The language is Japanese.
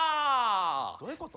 どういうこと？